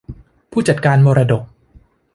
ผู้จัดการมรดก